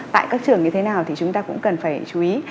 tại các trường như thế nào thì chúng ta cũng cần phải chú ý